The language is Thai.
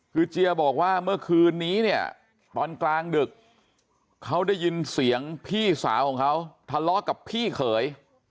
คือเจียบอกว่าเมื่อคืนนี้เนี่ยตอนกลางดึกเขาได้ยินเสียงพี่สาวของเขาทะเลาะกับพี่เขย